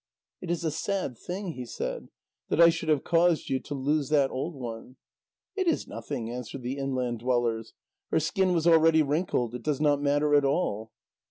"It is a sad thing," he said, "that I should have caused you to lose that old one." "It is nothing," answered the inland dwellers; "her skin was already wrinkled; it does not matter at all."